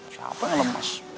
siapa yang lemes